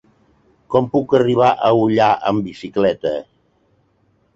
Com puc arribar a Ullà amb bicicleta?